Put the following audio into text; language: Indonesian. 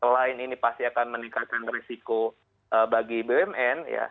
selain ini pasti akan meningkatkan resiko bagi bumn